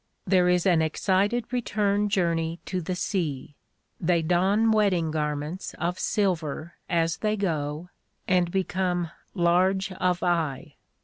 There is an excited return journey to the sea — they don wedding garments of silver as they go and become large of eye.